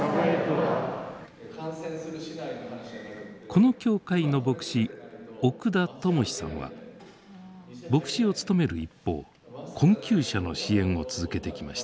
この教会の牧師奥田知志さんは牧師を務める一方困窮者の支援を続けてきました。